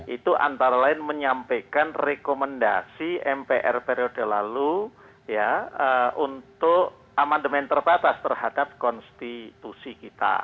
itu antara lain menyampaikan rekomendasi mpr periode lalu ya untuk amandemen terbatas terhadap konstitusi kita